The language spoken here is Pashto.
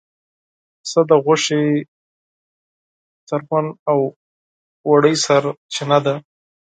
پسه د غوښې، پوستکي او وړۍ سرچینه ده.